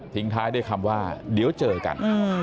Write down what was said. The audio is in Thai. ท้ายด้วยคำว่าเดี๋ยวเจอกัน